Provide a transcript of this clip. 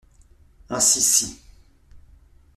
Ainsi cit.